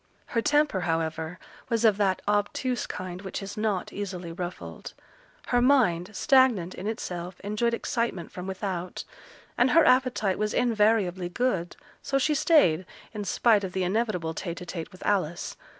Her temper, however, was of that obtuse kind which is not easily ruffled; her mind, stagnant in itself, enjoyed excitement from without; and her appetite was invariably good, so she stayed, in spite of the inevitable tete a tete with Alice.